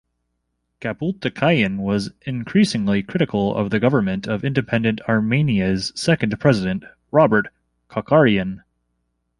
Kaputikyan was increasingly critical of the government of independent Armenia's second president, Robert Kocharyan.